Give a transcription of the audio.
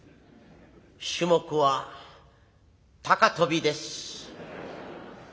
種目は高跳びです」。